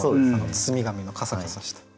包み紙のカサカサした。